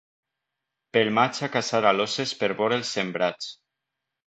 Pel maig a caçar aloses per vora els sembrats.